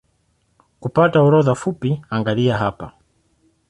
Kupata orodha fupi angalia hapa